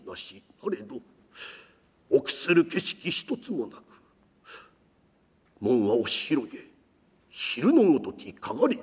なれど臆する景色一つもなく門は押し広げ昼のごときかがり火。